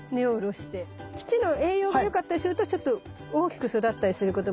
土の栄養が良かったりするとちょっと大きく育ったりすることも。